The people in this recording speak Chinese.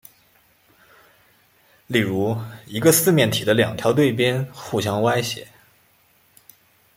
例如一个四面体的两条对边互相歪斜。